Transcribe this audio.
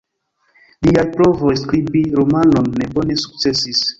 Liaj provoj skribi romanon ne bone sukcesis.